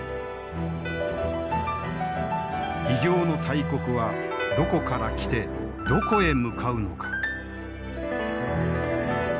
異形の大国はどこから来てどこへ向かうのか。